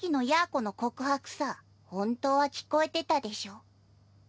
この告白さ本当は聞こえてたでしょ。